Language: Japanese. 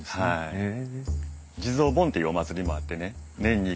へえ。